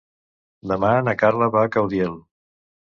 Demà na Carla va a Caudiel.